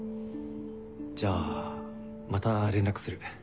じゃあまた連絡する。